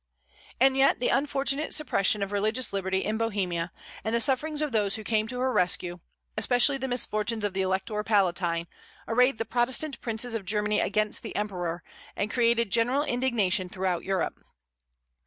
And yet the unfortunate suppression of religious liberty in Bohemia, and the sufferings of those who came to her rescue, especially the misfortunes of the Elector Palatine, arrayed the Protestant princes of Germany against the Emperor, and created general indignation throughout Europe.